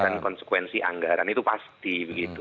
dan konsekuensi anggaran itu pasti begitu